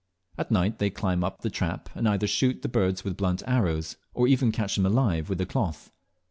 At night they climb up the trap, and either shoot the birds with blunt arrows, or even catch them alive with a cloth.